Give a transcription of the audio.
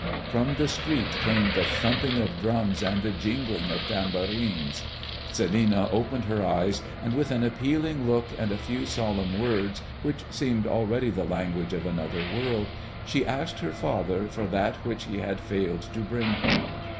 From the street came the thumping of drums and the jingling of tambourines. Celinina opened her eyes; and with an appealing look and a few solemn words, which seemed already the language of another world, she asked her father for that which he had failed to bring her.